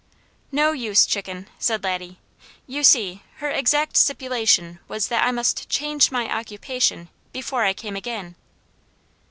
"No use, Chicken," said Laddie. "You see her exact stipulation was that I must CHANGE MY OCCUPATION before I came again."